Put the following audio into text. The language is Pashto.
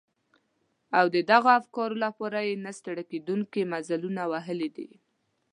او د دغو افکارو لپاره يې نه ستړي کېدونکي مزلونه وهلي دي.